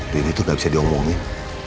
riri tuh gak bisa diomongin